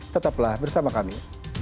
tetaplah bersama kami